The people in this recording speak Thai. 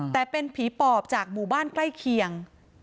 แต่เป็นผีปอบจากหมู่บ้านใกล้เคียง